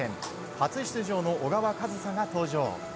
初出場の小川和紗が登場。